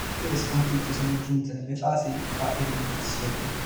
Tutte le sconfitte sono giunte nelle fasi a eliminazione.